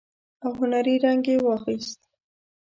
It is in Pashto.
او هنري رنګ يې واخيست.